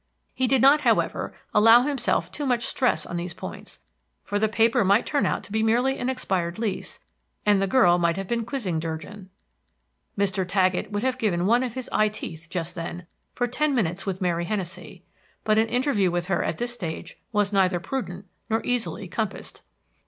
He did not, however, allow himself to lay too much stress on these points; for the paper might turn out to be merely an expired lease, and the girl might have been quizzing Durgin. Mr. Taggett would have given one of his eye teeth just then for ten minutes with Mary Hennessey. But an interview with her at this stage was neither prudent nor easily compassed.